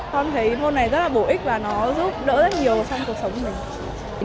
con thấy môn này rất là bổ ích và nó giúp đỡ rất nhiều trong cuộc sống của mình